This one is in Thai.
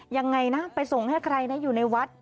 ยังไงนะไปส่งให้ใครนะอยู่ในวัด